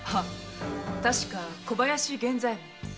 確か小林源左衛門。